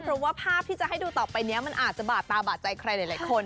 เพราะว่าภาพที่จะให้ดูต่อไปนี้มันอาจจะบาดตาบาดใจใครหลายคน